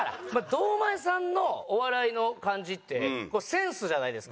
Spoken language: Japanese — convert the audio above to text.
堂前さんのお笑いの感じってセンスじゃないですか。